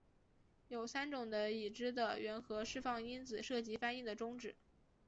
有三种已知的原核释放因子涉及翻译的终止。